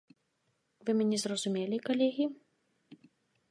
Вы мяне зразумелі, калегі?